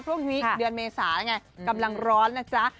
พรุ่งนี้เดือนเมษาแล้วไงกำลังร้อนนะจ๊ะ